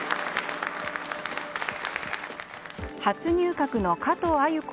初入閣の加藤鮎子